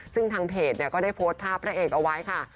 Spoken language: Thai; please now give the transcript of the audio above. ซึ่งทางเพจก็ได้โพสต์ภาพพระเอกเอาไว้ค่ะ